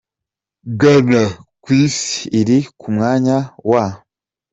Ghana : ku isi iri ku mwanya wa .